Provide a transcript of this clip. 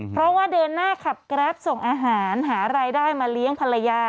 เพราะว่าเดินหน้าขับแกรปส่งอาหารหารายได้มาเลี้ยงภรรยา